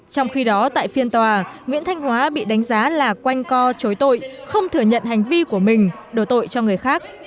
trong khi đó tại phiên tòa nguyễn thanh hóa bị đánh giá là quanh co chối tội không thừa nhận hành vi của mình đổ tội cho người khác